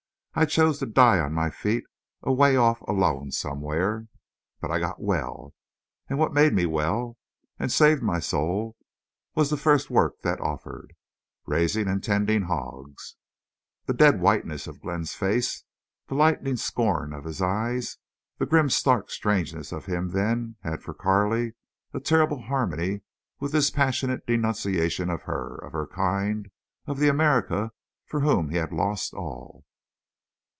I chose to die on my feet away off alone somewhere.... But I got well. And what made me well—and saved my soul—was the first work that offered. Raising and tending hogs!" The dead whiteness of Glenn's face, the lightning scorn of his eyes, the grim, stark strangeness of him then had for Carley a terrible harmony with this passionate denunciation of her, of her kind, of the America for whom he had lost all.